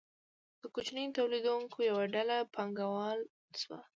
د کوچنیو تولیدونکو یوه ډله پانګواله شوه.